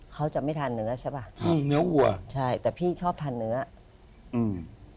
เขาจะไม่ทานเนื้อใช่ป่ะทำเนื้อวัวใช่แต่พี่ชอบทานเนื้ออืม